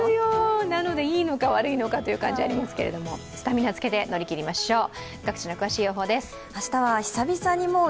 なので、いいのか悪いのかという感じがありますけどもスタミナをつけて乗り切りましょう。